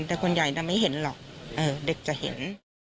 แต่คนใหญ่ไม่เห็นหรอกเด็กจะเห็น